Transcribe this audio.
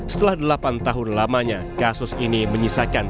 setelah delapan tahun lamanya kasus ini menyisakan